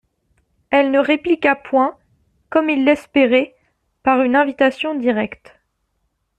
Elle ne répliqua point, comme il l'espérait, par une invitation directe.